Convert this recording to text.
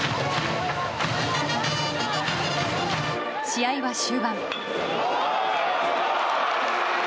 試合は終盤。